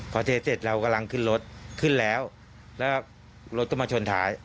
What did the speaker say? พอเทเสร็จเรากำลังขึ้นรถขึ้นแล้วแล้วรถก็มาชนท้าย